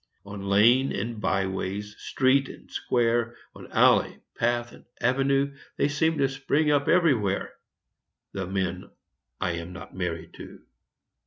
On lane and byways, street and square, On alley, path and avenue, They seem to spring up everywhere The men I am not married to.